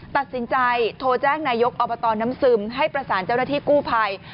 ตัดสินใจโทรแจ้งนายกอบตน้ำซึมให้ประสานเจ้าหน้าที่กู้ภัย